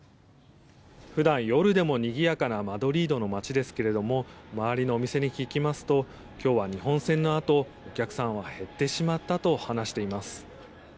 普段、夜でもにぎやかなマドリードの街ですが周りのお店に聞きますと今日は日本戦のあとお客さんは減ってしまったと話しています。